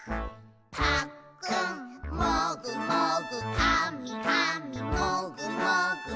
「ぱっくんもぐもぐ」「かみかみもぐもぐ」